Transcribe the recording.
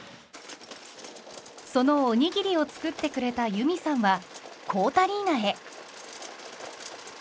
そのおにぎりを作ってくれた由美さんはこーたりなへ。